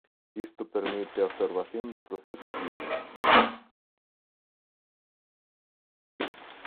Isto permite a observación de procesos biolóxicos.